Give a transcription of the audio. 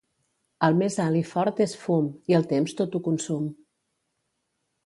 El més alt i fort és fum, i el temps tot ho consum.